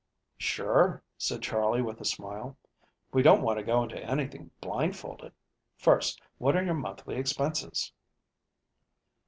"Sure," said Charley, with a smile. "We don't want to go into anything blindfolded. First, what are your monthly expenses?"